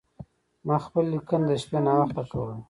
ما خپله لیکنه د شپې ناوخته کوله.